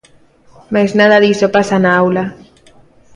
Mais nada diso pasa na aula.